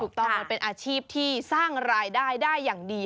ต้องมันเป็นอาชีพที่สร้างรายได้ได้อย่างดี